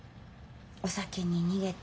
お酒に逃げて。